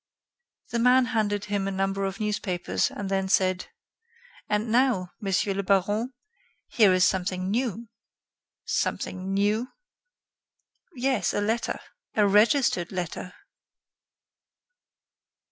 The man handed him a number of newspapers, and then said: "And now, Monsieur le Baron, here is something new." "Something new?" "Yes, a letter. A registered letter."